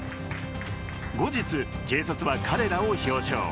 後日、警察は彼らを表彰。